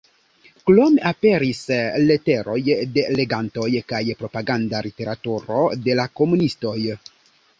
Krome aperis leteroj de legantoj kaj propaganda literaturo de la komunistoj.